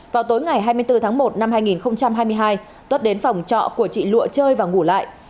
vào tối ngày hai mươi bốn tháng một năm hai nghìn hai mươi hai tuất đến phòng trọ của chị lụa chơi và ngủ lại